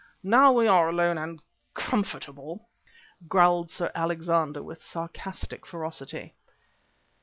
"Now we are alone and comfortable," growled Sir Alexander with sarcastic ferocity.